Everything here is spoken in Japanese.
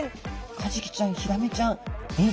カジキちゃんヒラメちゃんエイ